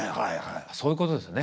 そういうことですよね。